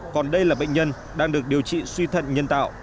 còn đây là bệnh nhân đang được điều trị suy thận nhân tạo